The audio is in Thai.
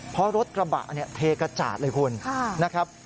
เพราะรถกระบะเทกระจาดเลยคุณ